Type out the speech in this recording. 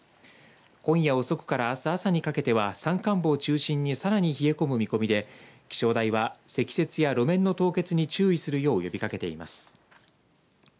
今夜遅くからあす朝にかけては山間部を中心にさらに冷え込む見込みで気象台は積雪や路面の凍結に注意するよう呼びかけています。